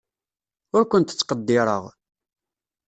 Ur kent-ttqeddireɣ.